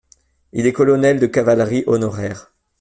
Il est colonel de cavalerie honoraire.